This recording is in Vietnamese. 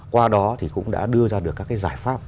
qua đó thì cũng đã đưa ra được các giải pháp